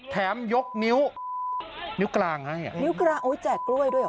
ยกนิ้วนิ้วกลางให้อ่ะนิ้วกลางโอ้ยแจกกล้วยด้วยเหรอ